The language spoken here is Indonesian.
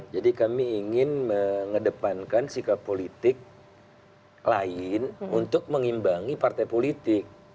jadi kami ingin mengedepankan sikap politik lain untuk mengimbangi partai politik